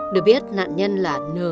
được biết nạn nhân là nương